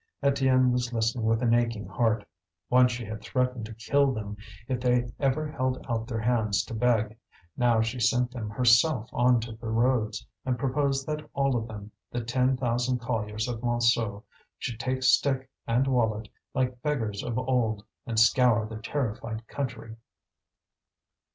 Étienne was listening with an aching heart. Once she had threatened to kill them if they ever held out their hands to beg. Now she sent them herself on to the roads, and proposed that all of them the ten thousand colliers of Montsou should take stick and wallet, like beggars of old, and scour the terrified country.